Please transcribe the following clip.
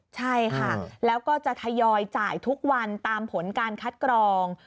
ใช่ค่ะแล้วก็จะทยอยจ่ายทุกวันตามผลการคัดกรอง